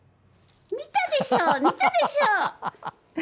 見たでしょ、見たでしょ？